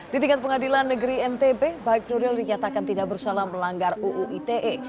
di tingkat pengadilan negeri ntb baik nuril dinyatakan tidak bersalah melanggar uu ite